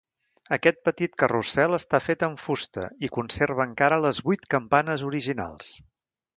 Aquest petit carrusel està fet amb fusta i conserva encara les vuit campanes originals.